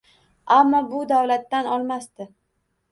Ammo bu davlatdan olmasdi.